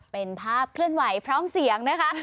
เป็นภาพเคลื่อนไหวพร้อมเสียงนะคะ